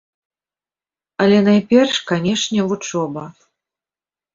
Але найперш, канешне, вучоба.